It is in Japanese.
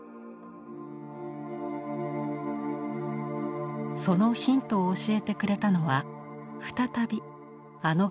そのヒントを教えてくれたのは再びあの画家でした。